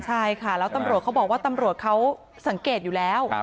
ใช่ค่ะแล้วตำรวจเขาบอกว่าตำรวจเขาสังเกตอยู่แล้ว